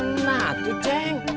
eh pernah tuh ceng